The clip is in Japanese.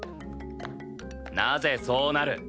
なぜそうなる？